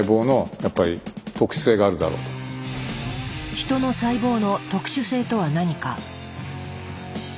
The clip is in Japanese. ヒトの細胞の特殊性とは何か。